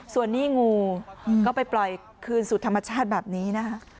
ส่วนนี้งูก็ไปปล่อยคืนสู่ธรรมชาติแบบนี้นะคะ